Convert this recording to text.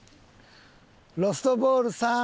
ロストボールさん。